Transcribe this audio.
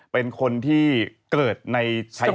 เป็นคนที่เกิดในไทยแดน